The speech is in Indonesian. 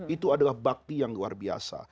itu adalah bakti yang luar biasa